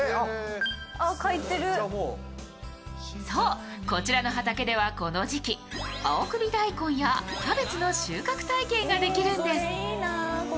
そう、こちらの畑ではこの時期青首大根やキャベツの収穫体験ができるんです。